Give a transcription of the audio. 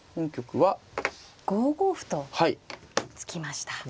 ５五歩と突きました。